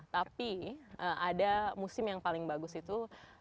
tapi ada musim yang paling bagus itu